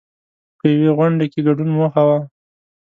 په یوې غونډې کې ګډون موخه وه.